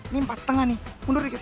nih empat lima nih mundur dikit